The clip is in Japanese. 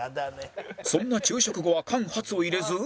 そんな昼食後は間髪を入れず